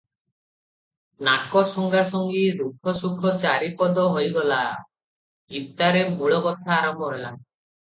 ନାସ ଶୁଙ୍ଗାଶୁଙ୍ଗି ଦୁଃଖ ସୁଖ ଚାରି ପଦ ହୋଇଗଲା ଇତ୍ତାରେ ମୂଳକଥା ଆରମ୍ଭ ହେଲା ।